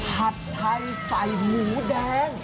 ผัดไทยใส่หมูแดง